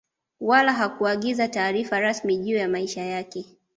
Wala hakuagiza taarifa rasmi juu ya maisha yake